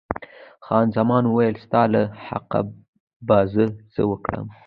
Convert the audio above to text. خان زمان وویل، ستا له حقه به زه څه وکړم.